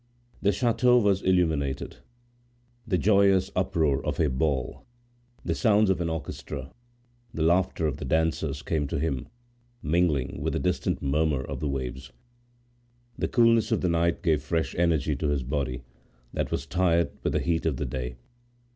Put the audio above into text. The chateau was illuminated. The joyous uproar of a ball, the sounds of an orchestra, the laughter of the dancers came to him, mingling with the distant murmur of the waves. The coolness of the night gave fresh energy to his body, that was tired with the heat of the day.